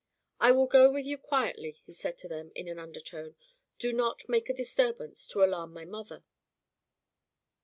"I will go with you quietly," he said to them, in an undertone. "Do not make a disturbance, to alarm my mother."